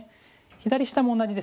左下も同じですね。